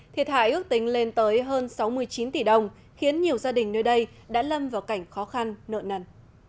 thiệt hại ước tính lên tới hơn sáu mươi chín tỷ đồng khiến nhiều gia đình nơi đây đã lâm vào cảnh khó khăn nợ nần